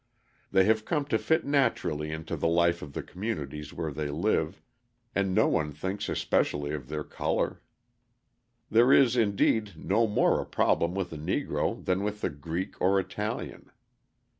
They have come to fit naturally into the life of the communities where they live, and no one thinks especially of their colour. There is, indeed, no more a problem with the Negro than with the Greek or Italian.